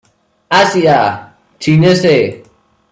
Es originario del suroeste de Asia.